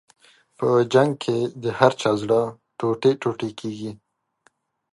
په جنګ کې د هر چا زړه ټوټې ټوټې کېږي.